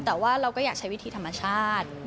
แต่ว่าเราก็อยากใช้วิธีธรรมชาติ